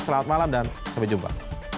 selamat malam dan sampai jumpa